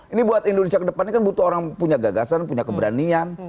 ini buat indonesia kedepannya kan butuh orang punya gagasan punya keberanian